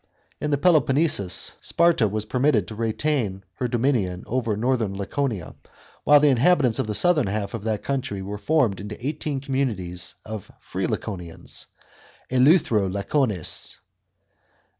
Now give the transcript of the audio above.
In the Peloponnesus, Sparta was permitted to retain her dominion over northern Laconia, while the inhabitants of the southern half of that country were formed into eighteen communities of ' free Laconians," Meuthero lacones.